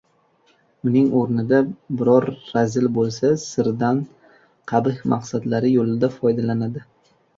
Uning o‘rnida biror razil bo‘lsa, sirdan qabih maqsadlari yo‘lida foydalanadi.